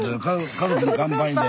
「家族に乾杯」で。